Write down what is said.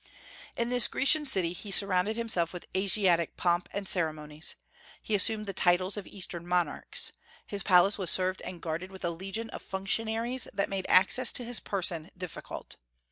In this Grecian city he surrounded himself with Asiatic pomp and ceremonies. He assumed the titles of Eastern monarchs. His palace was served and guarded with a legion of functionaries that made access to his person difficult.